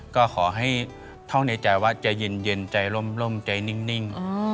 ก็ขอให้ท่องในใจว่าใจเย็นใจร่มใจนิ่ง